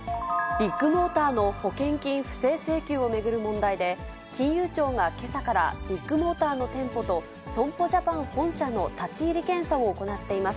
ビッグモーターの保険金不正請求を巡る問題で、金融庁がけさからビッグモーターの店舗と、損保ジャパン本社の立ち入り検査を行っています。